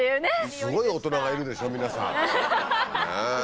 すごい大人がいるでしょ皆さんねぇ。